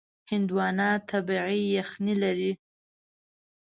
هندوانه طبیعي یخنۍ لري.